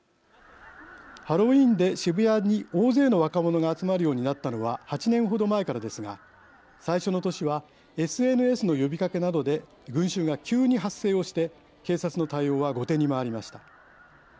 ハロウィーンで渋谷に大勢の若者が集まるようになったのは８年程前からですが最初の年はＳＮＳの呼びかけなどで群衆が急に発生をして警察の対応は後手に回りました。